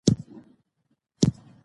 نه یې بیرته سوای قفس پیدا کولای